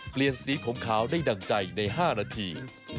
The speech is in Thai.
เปลี่ยนสีผมขาวได้ดั่งใจใน๕นาที